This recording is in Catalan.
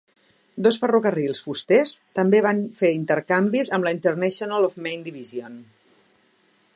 Dos ferrocarrils fusters també van fer intercanvis amb la International of Maine Division.